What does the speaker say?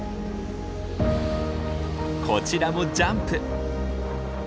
こちらもジャンプ！